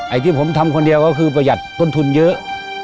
ที่ผมทำคนเดียวก็คือประหยัดต้นทุนเยอะ